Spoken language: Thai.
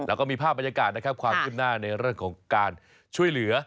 แล้วก็มีภาพบรรยากาศนะครับความขึ้นหน้าในเรื่องของการช่วยเหลือ